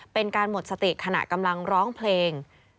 เป็นการหมดสติขณะกำลังร้องเพลง